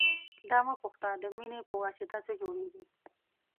دا مه پوښته د مینې پواسطه څه جوړېږي.